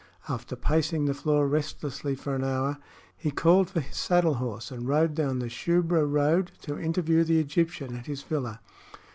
After pacing the floor restlessly for an hour, he called for his saddle horse and rode down the Shubra road to interview the Egyptian at his villa.